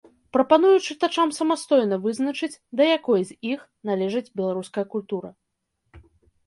Прапаную чытачам самастойна вызначыць, да якой з іх належыць беларуская культура.